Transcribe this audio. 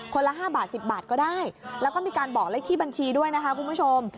ละ๕บาท๑๐บาทก็ได้แล้วก็มีการบอกเลขที่บัญชีด้วยนะคะคุณผู้ชม